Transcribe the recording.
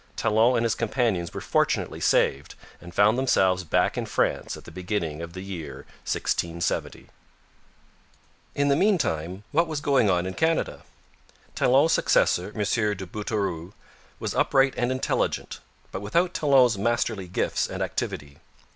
Talon and his companions were fortunately saved, and found themselves back in France at the beginning of the year 1670. In the meantime what was going on in Canada? Talon's successor, M. de Bouteroue, was upright and intelligent, but without Talon's masterly gifts and activity.